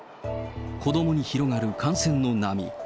子どもに広がる感染の波。